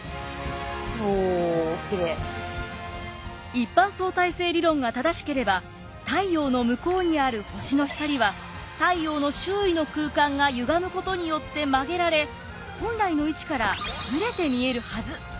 一般相対性理論が正しければ太陽の向こうにある星の光は太陽の周囲の空間がゆがむことによって曲げられ本来の位置からズレて見えるはず。